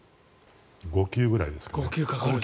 ５球くらいですかね。